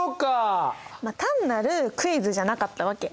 まあ単なるクイズじゃなかったわけ。